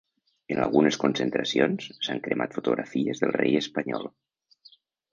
En algunes concentracions, s’han cremat fotografies del rei espanyol.